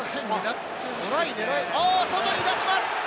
外に出します！